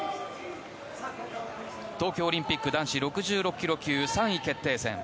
東京オリンピック男子６６ｋｇ級３位決定戦。